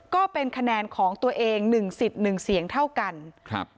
ก็เป็นคะแนนของตัวเองหนึ่งสิทธิ์หนึ่งเสียงเท่ากันครับ